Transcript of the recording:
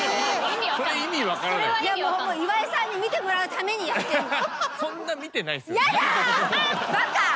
岩井さんに見てもらうためにやってんの。